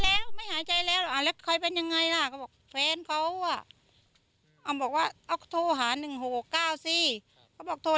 แล้วไม่หายใจแล้วแล้วใครเป็นยังไงล่ะก็บอกแฟนเขาบอกว่าเอาโทรหา๑๖๖๙สิเขาบอกโทร